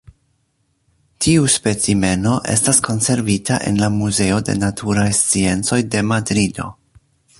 Tiu specimeno estas konservita en la Muzeo de Naturaj Sciencoj de Madrido.